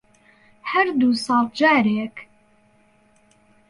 هەر دوو ساڵ جارێک